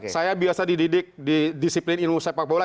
saya biasa dididik di disiplin ilmu sepak bola